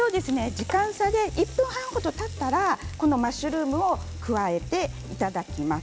時間差で１分半程たったらマッシュルームを加えていただきます。